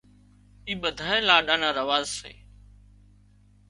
اِي ٻڌائي لاڏا نا رواز سي